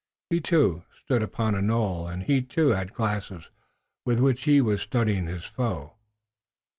He, too, stood upon a knoll, and he, too, had glasses with which he was studying his foe.